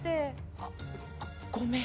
あっごめん。